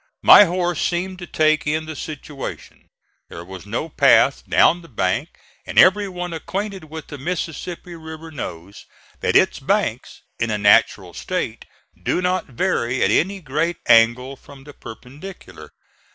My horse seemed to take in the situation. There was no path down the bank and every one acquainted with the Mississippi River knows that its banks, in a natural state, do not vary at any great angle from the perpendicular.